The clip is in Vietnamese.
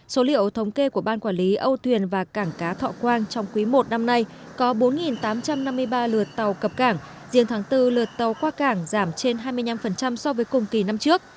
số liệu thống kê của ban quản lý âu thuyền và cảng cá thọ quang trong quý i năm nay có bốn tám trăm năm mươi ba lượt tàu cập cảng riêng tháng bốn lượt tàu qua cảng giảm trên hai mươi năm so với cùng kỳ năm trước